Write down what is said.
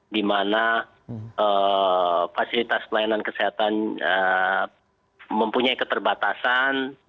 dimana fasilitas pelayanan kesehatan mempunyai keterbatasan